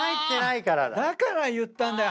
だから言ったんだよ